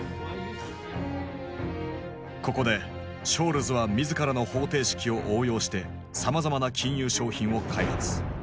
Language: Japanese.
ここでショールズは自らの方程式を応用してさまざまな金融商品を開発。